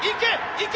いけ！